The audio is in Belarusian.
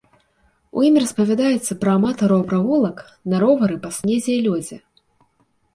У ім распавядаецца пра аматараў прагулак на ровары па снезе і лёдзе.